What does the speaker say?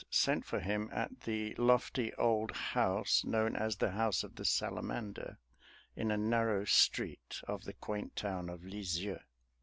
sent for him at the lofty old house known as the House of the Salamander, in a narrow street of the quaint town of Lisieux.